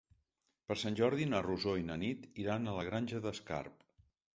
Per Sant Jordi na Rosó i na Nit iran a la Granja d'Escarp.